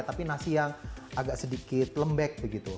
tapi nasi yang agak sedikit lembek begitu